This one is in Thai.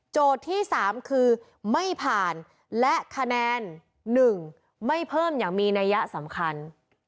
ที่๓คือไม่ผ่านและคะแนน๑ไม่เพิ่มอย่างมีนัยยะสำคัญ